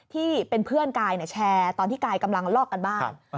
ที่เป็นเพื่อนกายแชร์ตอนที่กายกำลังลอกกันบ้าน